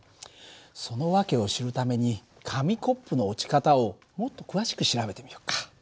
その訳を知るために紙コップの落ち方をもっと詳しく調べてみよっか。